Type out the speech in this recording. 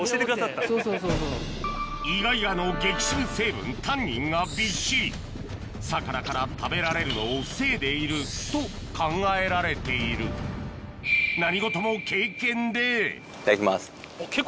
イガイガの激渋成分タンニンがびっしり魚から食べられるのを防いでいると考えられている何事も経験でいただきます。